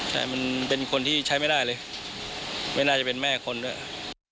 ใช่มันเป็นคนที่ใช้ไม่ได้เลยไม่น่าจะเป็นแม่คนด้วย